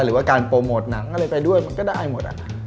หรือว่าการโปรโมทหนังอะไรไปด้วยมันก็ได้หมด